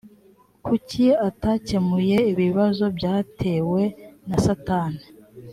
b kuki atakemuye ibibazo byatewe na satani